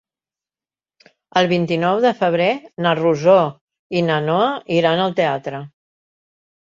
El vint-i-nou de febrer na Rosó i na Noa iran al teatre.